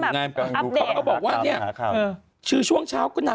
พูดเขาบอกว่าเนี้ยชื่อช่วงเช้าก็นัก